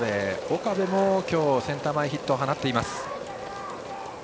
岡部も今日センター前ヒットを放っています。